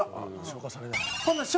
消化されない。